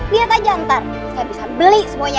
lihat aja ntar saya bisa beli semuanya